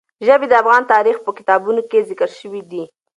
ژبې د افغان تاریخ په کتابونو کې ذکر شوی دي.